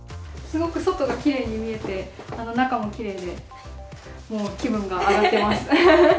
すごく外がきれいに見えて、中もきれいで、もう気分が上がってます。